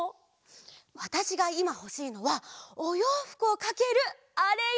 わたしがいまほしいのはおようふくをかけるあれよ！